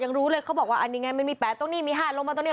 รู้เลยเขาบอกว่าอันนี้ไงมันมี๘ตรงนี้มี๕ลงมาตรงนี้